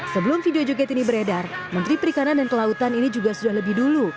sebelum video joget ini beredar menteri perikanan dan kelautan ini juga sudah lebih dulu